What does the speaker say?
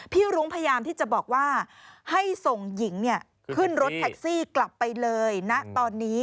รุ้งพยายามที่จะบอกว่าให้ส่งหญิงขึ้นรถแท็กซี่กลับไปเลยนะตอนนี้